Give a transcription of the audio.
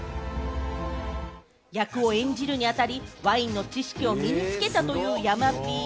役を演じるにあたり、ワインの知識を身につけたという山Ｐ。